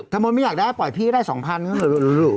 ถ้ามนต์ไม่อยากได้ปล่อยพี่ได้๒๐๐๐บาทก็หลู่